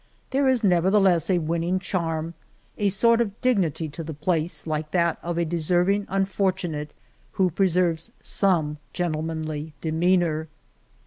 There is nevertheless a winning charm, a sort of dig nity to the place like that of a deserving un fortunate who preserves some gentlemanly demeanor.